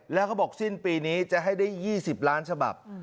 แล้วเขาบอกสิ้นปีนี้จะให้ได้๒๐ล้านฉบับ